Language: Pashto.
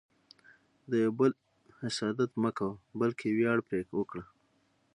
د یو بل حسادت مه کوه، بلکې ویاړ پرې وکړه.